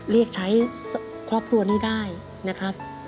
เรียกใช้ครอบครัวนี้ได้นะครับ